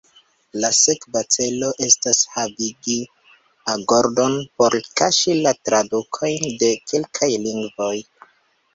La ĉefa sekva celo estas havigi agordon por kaŝi la tradukojn de kelkaj lingvoj.